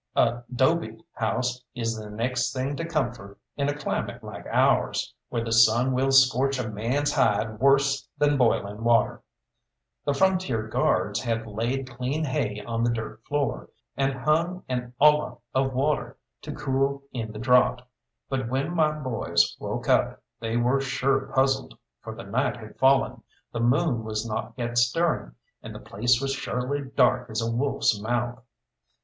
A 'dobe house is the next thing to comfort in a climate like ours, where the sun will scorch a man's hide worse than boiling water. The Frontier Guards had laid clean hay on the dirt floor, and hung an olla of water to cool in the draught, but when my boys woke up they were sure puzzled, for the night had fallen, the moon was not yet stirring, and the place was surely dark as a wolf's mouth.